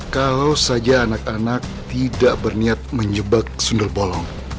kalau saja anak anak tidak berniat menjebak sundelbolong